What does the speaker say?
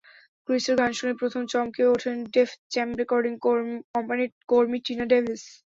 ক্রিসের গান শুনে প্রথম চমকে ওঠেন ডেফ জ্যাম রেকর্ডিং কোম্পানির কর্মী টিনা ডেভিস।